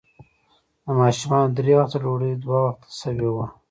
د ماشومانو درې وخته ډوډۍ، دوه وخته شوې وه.